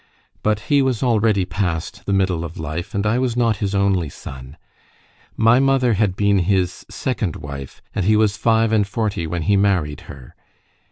But he was already past the middle of life, and I was not his only son. My mother had been his second wife, and he was five and forty when he married her.